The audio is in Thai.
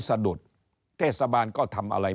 สะดุดเทศบาลก็ทำอะไร